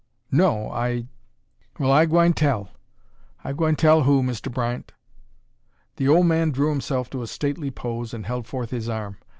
"No, I " "Well, I gwine tell. I gwine tell who, Mr Bryant " The old man drew himself to a stately pose and held forth his arm.